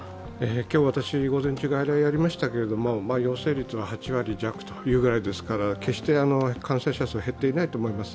今日、私午前中、外来やりましたけれども、陽性率は８割弱というぐらいですから、決して感染者数は減っていないと思います。